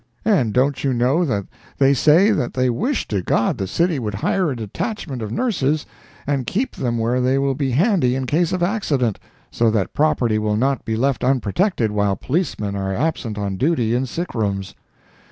And don't you know that they say that they wish to god the city would hire a detachment of nurses and keep them where they will be handy in case of accident, so that property will not be left unprotected while policemen are absent on duty in sick rooms.